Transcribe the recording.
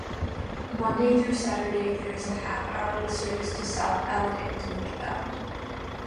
Monday-Saturday, there is a half-hourly service to southbound and to northbound.